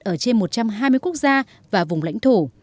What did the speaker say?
ở trên một trăm hai mươi quốc gia và vùng lãnh thổ